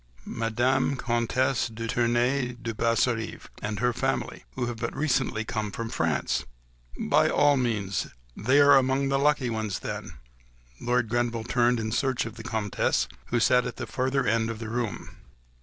"Madame la Comtesse de Tournay de Basserive and her family, who have but recently come from France." "By all means!—They are among the lucky ones then!" Lord Grenville turned in search of the Comtesse, who sat at the further end of the room.